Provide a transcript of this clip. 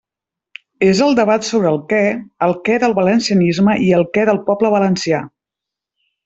És el debat sobre el «què», el què del valencianisme i el què del poble valencià.